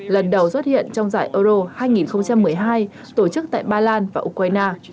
đào xuất hiện trong giải euro hai nghìn một mươi hai tổ chức tại ba lan và ukraina